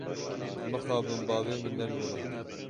Mixabin bavê min ne li vir e.